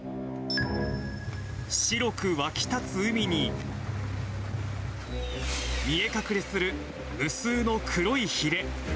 白く湧き立つ海に、見え隠れする無数の黒いひれ。